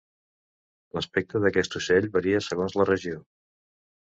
L'aspecte d'aquest ocell varia segons la regió.